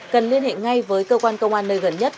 cần liên hệ ngay với cơ quan công an nơi gần nhất